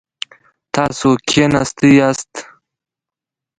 تاسو کښیناستی یاست؟